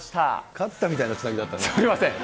勝ったみたいなつなぎだったすみません。